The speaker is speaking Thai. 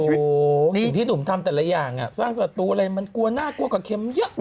สิ่งที่หนุ่มทำแต่ละอย่างสร้างศัตรูอะไรมันกลัวน่ากลัวกว่าเข็มเยอะว